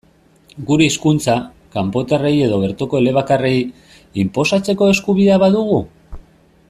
Gure hizkuntza, kanpotarrei edo bertoko elebakarrei, inposatzeko eskubidea badugu?